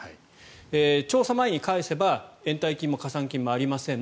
調査前に返せば延滞金も加算金もありません。